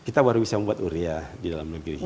kita baru bisa membuat uria di dalam negeri kita